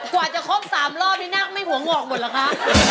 กว่าจะคบ๓รอบนี่น่ะไม่ห่วงหลอกหมดละคะ